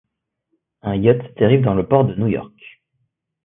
Un yacht dérive dans le port de New York.